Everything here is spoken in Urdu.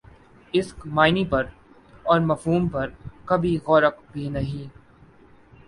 اسک معانی پر اور مفہوم پر کبھی غورک بھی نہیں